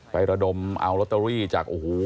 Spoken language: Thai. ระดมเอาลอตเตอรี่จากโอ้โห